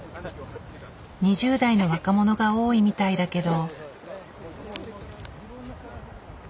２０代の若者が多いみたいだけど。